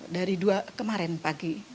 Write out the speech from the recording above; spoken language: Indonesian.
dari dua kemarin pagi